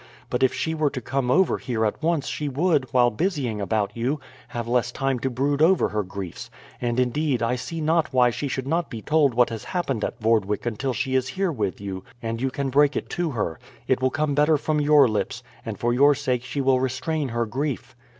But if she were to come over here at once she would, while busying about you, have less time to brood over her griefs; and, indeed, I see not why she should be told what has happened at Vordwyk until she is here with you, and you can break it to her. It will come better from your lips, and for your sake she will restrain her grief."